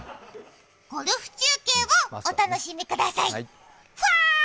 ゴルフ中継をお楽しみください、ファー。